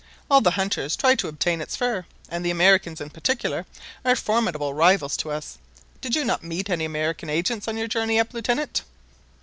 All the hunters try to obtain its fur, and the Americans in particular are formidable rivals to us. Did you not meet any American agents on your journey up, Lieutenant?"